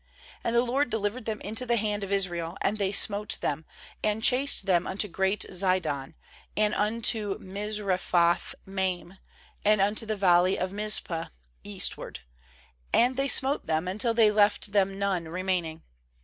8And the LORD delivered them into the hand of Israel, and they smote them, and chased them unto great Zidon, and unto Misrephoth maim, and unto the valley of Mizpeh east ward; and they smote them, until they left them none remaining.